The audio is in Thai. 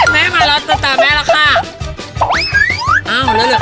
แม่มารอตัวตาแม่ละค่ะ